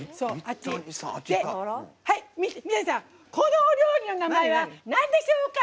三谷さん、このお料理の名前はなんでしょうか？